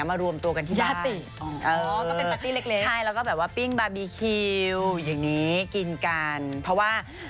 เราก็ต้องแบบว่าอ้าวให้คนในครอบครัว